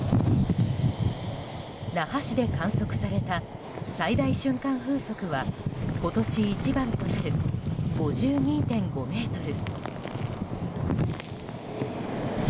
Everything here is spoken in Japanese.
那覇市で観測された最大瞬間風速は今年一番となる５２．５メートル。